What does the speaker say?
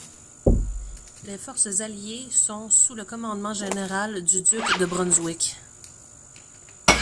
Les forces alliées sont sous le commandement général du duc de Brunswick.